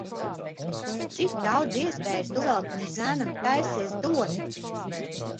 Cik daudz iespēju tu vēl tam zēnam taisies dot?